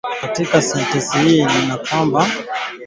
Ba mwiji bana iba minji yote mu mashamba